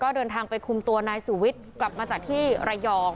เดินทางไปคุมตัวนายสุวิทย์กลับมาจากที่ระยอง